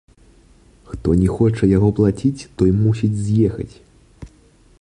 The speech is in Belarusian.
Хто не хоча яго плаціць, той мусіць з'ехаць.